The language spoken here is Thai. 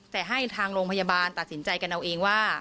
แต่ให้ทางโรงพยาบาลตัดสินใจกันเอาเองว่า